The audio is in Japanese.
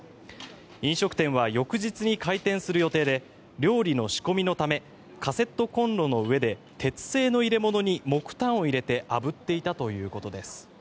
飲食店は翌日に開店する予定で料理の仕込みのためカセットコンロの上で鉄製の入れ物に木炭を入れてあぶっていたということです。